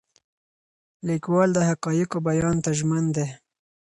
لیکوال د حقایقو بیان ته ژمن دی.